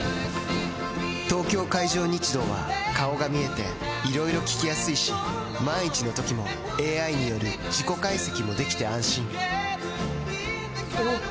東京海上日動は顔が見えていろいろ聞きやすいし万一のときもＡＩによる事故解析もできて安心おぉ！